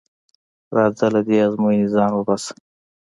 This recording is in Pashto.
راځه له دې ازموینې ځان وباسه.